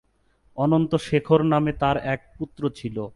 অনন্ত শেখর নামক তার এক পুত্র ছিল।